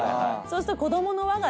そうすると。